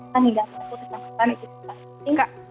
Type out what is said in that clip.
hingga ke pusat ke daerah